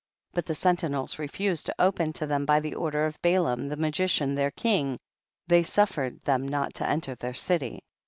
15. But the sentinels refused to open to them by the order of Balaam the magician their king, they suffer ed them not to enter their city.